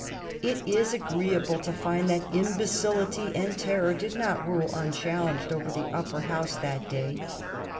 It is agreeable to find that imbecility and terror did not rule unchallenged over the Upper House that day.